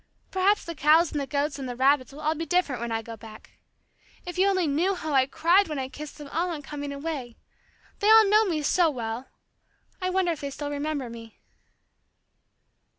Perhaps the cows and the goats and the rabbits will all be different when I go back. If you only knew how I cried when I kissed them all on coming away. They all know me so well. I wonder if they still remember me."